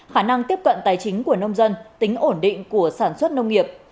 khả năng tiếp cận tài chính của nông dân tính ổn định của sản xuất nông nghiệp